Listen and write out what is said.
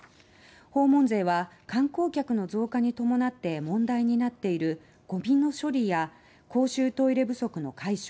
訪問税は、観光客の増加に伴って問題になっているゴミの処理や公衆トイレ不足の解消